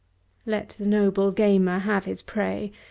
Let the noble gambler have his prey.